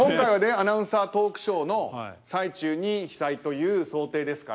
アナウンサー・トークショーの最中に被災という想定ですから。